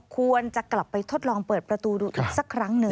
ควรจะกลับไปทดลองเปิดประตูดูอีกสักครั้งหนึ่ง